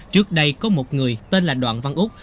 trước đây có một người tên là đoàn văn úc